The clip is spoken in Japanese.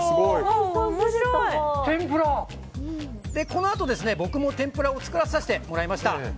このあと僕も天ぷらを作らせてもらいました。